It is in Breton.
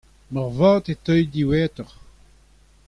moarvat e teuy diwezhatoc'h.